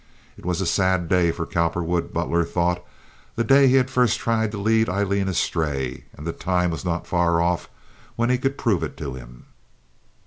It was a sad day for Cowperwood, Butler thought—the day he had first tried to lead Aileen astray—and the time was not far off when he could prove it to him.